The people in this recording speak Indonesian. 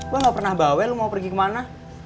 gue gak pernah bawa lu mau pergi kemana